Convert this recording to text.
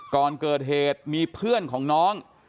ก่อนเกิดเหตุมีเพื่อนของน้อง